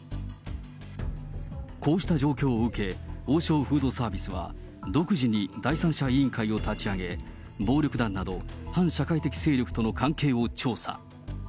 こうした状況を受け、王将フードサービスは独自に第三者委員会を立ち上げ、暴力団など反社会的勢力との関係を調査。